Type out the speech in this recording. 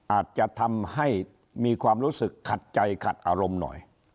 อาจจะทำให้มีความรู้สึกขัดใจขัดอารมณ์หน่อย